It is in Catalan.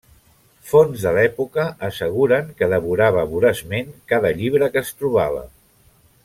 Fonts de l'època asseguren que devorava voraçment cada llibre que es trobava.